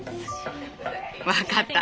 分かった！